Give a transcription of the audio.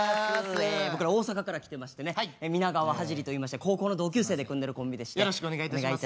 僕ら大阪から来てましてねみながわはじりといいまして高校の同級生で組んでるコンビでして。